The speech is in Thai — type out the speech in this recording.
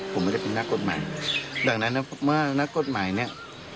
ผมไม่ได้เป็นนักกฎหมายดังนั้นเมื่อนักกฎหมายเนี่ย